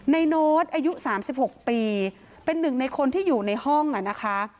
โน้ตอายุ๓๖ปีเป็นหนึ่งในคนที่อยู่ในห้องอ่ะนะคะ